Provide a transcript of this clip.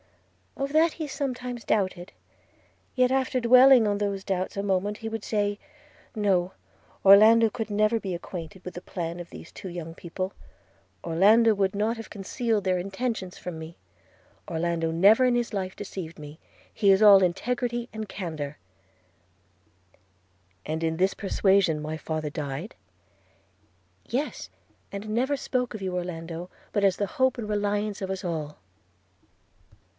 'Of that he sometimes doubted: yet after dwelling on those doubts a moment, he would say, 'No – Orlando could never be acquainted with the plan of these two young people; – Orlando would not have concealed their intentions from me – Orlando never in his life deceived me – He is all integrity and candour –' 'And in this persuasion my father died?' 'Yes; and never spoke of you, Orlando, but as the hope and reliance of us all.'